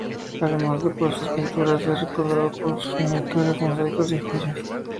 Además de por sus pinturas, es recordado por sus miniaturas, mosaicos, y joyas.